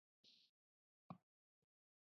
Com es diu el cantant d'Imagine Dragons?